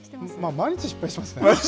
毎日失敗してますね。